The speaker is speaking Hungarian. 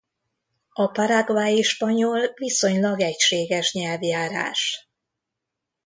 A paraguayi spanyol viszonylag egységes nyelvjárás.